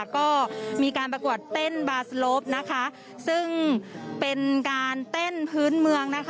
ก็มีการประกวดเต้นบาสโลปซึ่งเป็นการเต้นพื้นเมืองนะคะ